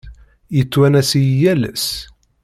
Yettwanas-iyi yal ass.